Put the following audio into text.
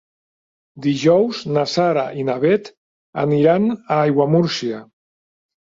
Dijous na Sara i na Bet aniran a Aiguamúrcia.